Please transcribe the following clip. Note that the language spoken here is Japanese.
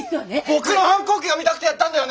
僕の反抗期が見たくてやったんだよね。